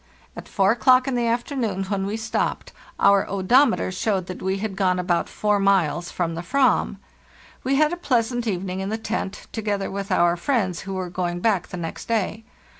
At 4 o'clock in the afternoon, when we stopped, our odometer*™ showed that we had gone about 4 miles from the /ram. We had a pleasant evening in the tent, to gether with our friends who were going back the next day.